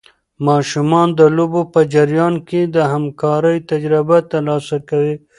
ماشومان د لوبو په جریان کې د همکارۍ تجربه ترلاسه کوي.